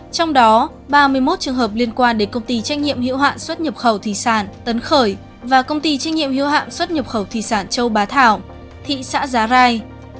trong đó ba mươi một trường hợp liên quan đến công ty trách nhiệm hiệu hạn xuất nhập khẩu thủy sản tấn khởi và công ty trách nhiệm hiệu hạm xuất nhập khẩu thủy sản châu bá thảo thị xã giá rai